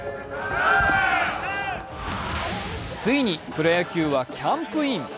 ついにプロ野球はキャンプイン。